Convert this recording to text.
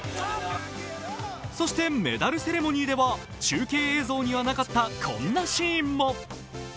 そして、メダルセレモニーでは中継映像にはなかったこんなシーンも。